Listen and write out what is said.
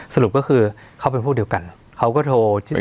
สรุปก็คือเขาเป็นพวกเดียวกันเขาก็โทรที่